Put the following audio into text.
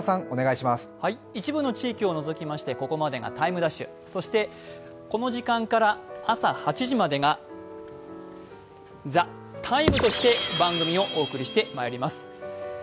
一部の地域を除きましてここまでが「ＴＩＭＥ’」そして、この時間から朝８時までが「ＴＨＥＴＩＭＥ，」として番組をお送りしてまいります。